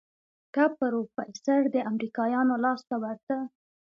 که پروفيسر د امريکايانو لاس ته ورته.